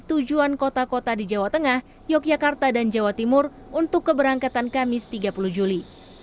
tujuan kota kota di jawa tengah yogyakarta dan jawa timur untuk keberangkatan kamis tiga puluh juli